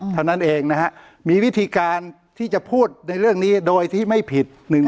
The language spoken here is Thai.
เท่านั้นเองนะฮะมีวิธีการที่จะพูดในเรื่องนี้โดยที่ไม่ผิด